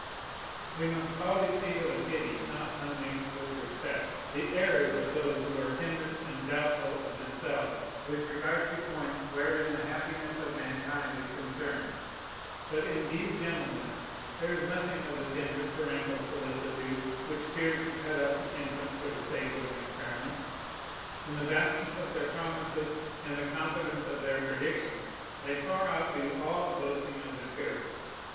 We must always see with a pity not unmixed with respect the errors of those who are timid and doubtful of themselves with regard to points wherein the happiness of mankind is concerned. But in these gentlemen there is nothing of the tender parental solicitude which fears to cut up the infant for the sake of an experiment. In the vastness of their promises and the confidence of their predictions they far outdo all the boasting of empirics.